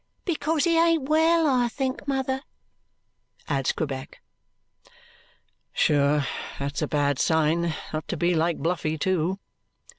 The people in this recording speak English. "Because he ain't well, I think, mother," adds Quebec. "Sure that's a bad sign not to be like Bluffy, too!"